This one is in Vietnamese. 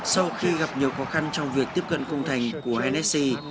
sau khi gặp nhiều khó khăn trong việc tiếp cận cung thành của hennessy